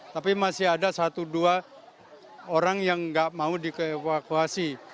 tapi masih ada satu dua orang yang nggak mau dievakuasi